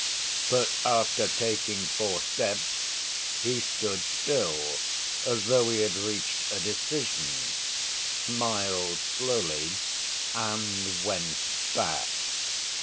But after taking four steps he stood still, as though he had reached a decision, smiled slowly, and went back.